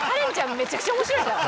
めちゃくちゃ面白いじゃん。